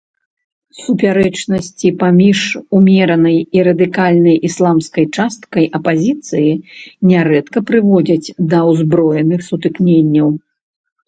Супярэчнасці паміж умеранай і радыкальнай ісламісцкай часткай апазіцыі нярэдка прыводзяць да ўзброеных сутыкненняў.